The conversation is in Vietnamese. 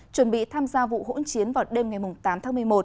chuẩn bị tham gia vụ hỗn chiến vào đêm ngày tám tháng một mươi một